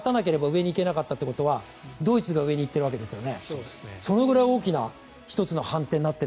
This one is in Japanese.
これもし、日本が勝たなければ上に行けなかったということはドイツが上に行っているわけですもんね。